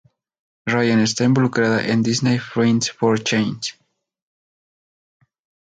Ryan está involucrada en Disney's Friends for Change.